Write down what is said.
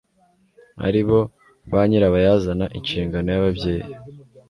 ari bo ba nyirabayazana Inshingano yababyeyi